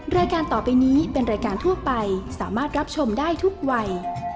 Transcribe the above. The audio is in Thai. รายการต่อไปนี้เป็นรายการทั่วไปสามารถรับชมได้ทุกวัย